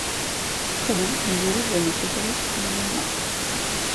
Kadın dizleri üzerine çökerek: "Neyin var?"